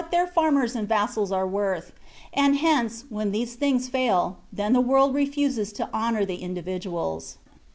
their farmers and vassals are worth ; and hence^ when these things fail^ then the world refuses to honour the individuals.